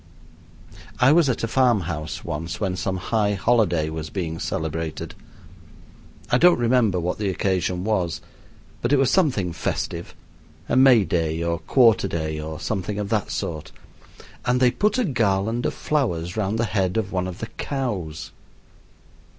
I was at a farm house once when some high holiday was being celebrated. I don't remember what the occasion was, but it was something festive, a May Day or Quarter Day, or something of that sort, and they put a garland of flowers round the head of one of the cows.